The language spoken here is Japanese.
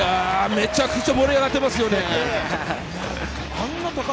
めちゃくちゃ盛り上がってますよね。